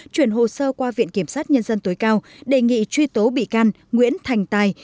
chuyển hồ sơ qua viện kiểm sát nhân dân tối cao đề nghị truy tố bị can nguyễn thành tài